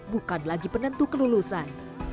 bukan lagi penentu kelulusan